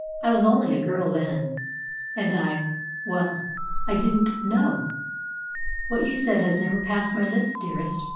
"I was only a girl then, and I well, I didn't know." "What you said has never passed my lips, dearest.